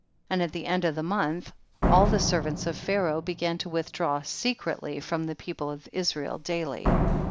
23. And at the end of the month, all the servants of Pharaoh began to withdraw secretly from the people of Israel daily.